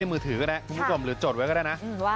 มือถือก็ได้คุณผู้ชมหรือจดไว้ก็ได้นะ